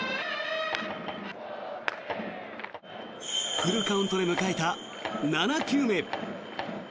フルカウントで迎えた７球目。